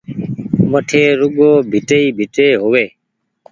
وٺي رڳو ڀيٽي ئي ڀيٽي هووي